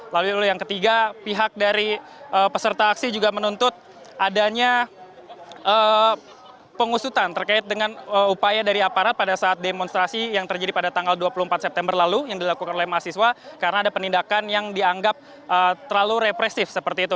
lalu yang ketiga pihak dari peserta aksi juga menuntut adanya pengusutan terkait dengan upaya dari aparat pada saat demonstrasi yang terjadi pada tanggal dua puluh empat september lalu yang dilakukan oleh mahasiswa karena ada penindakan yang dianggap terlalu represif seperti itu